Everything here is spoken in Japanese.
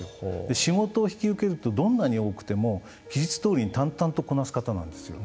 仕事を引き受けるとどんなに多くても期日どおり淡々とこなす方なんですよ。